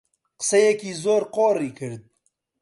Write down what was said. قسەیەکی زۆر قۆڕی کرد